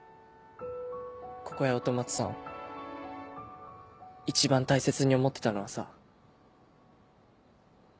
ここや音松さんを一番大切に思ってたのはさ。